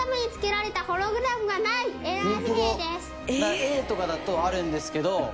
Ａとかだとあるんですけど。